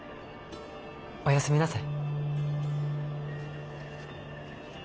おやすみなさい。